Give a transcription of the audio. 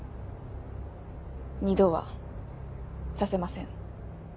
二度はさせません。